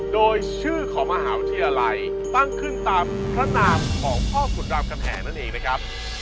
โดยชื่อของมหาวิทยาลัยตั้งขึ้นตามพระนามของพ่อขุนรามคำแหงนั่นเองนะครับ